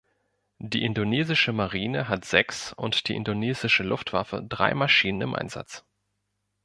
Die indonesische Marine hat sechs und die indonesische Luftwaffe drei Maschinen im Einsatz.